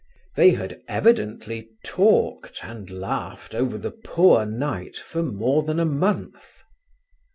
They had evidently talked (and laughed) over the 'poor knight' for more than a month.